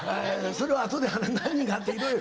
それはあとで「何が？」っていろいろ。